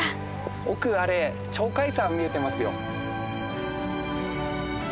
奥あれ鳥海山見えてますよ。